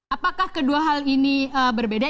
apakah kedua hal ini berbeda